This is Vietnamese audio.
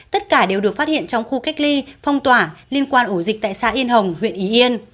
tất cả đều được phát hiện trong khu cách ly phong tỏa liên quan ổ dịch tại xã yên hồng huyện ý yên